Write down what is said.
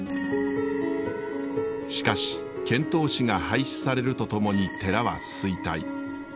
しかし遣唐使が廃止されるとともに寺は衰退。